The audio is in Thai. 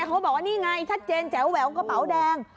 เขาบอกว่านี่ไงชัดเจนแจ๋วแหววกระเป๋าแดง